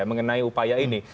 mengenai upaya ini